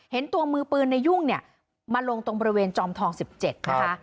เห็นตัวมือปืนในยุ่งเนี่ยมาลงตรงบริเวณจอมทอง๑๗นะคะ